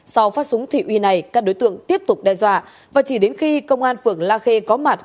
sau phát súng thị uy này các đối tượng tiếp tục đe dọa và chỉ đến khi công an phường la khê có mặt